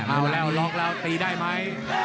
เอาแล้วล็อกแล้วตีได้ไหม